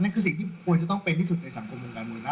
คือสิ่งที่ควรจะต้องเป็นที่สุดในสังคมวงการมวยนะ